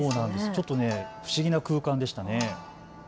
ちょっと、不思議な空間でしたね。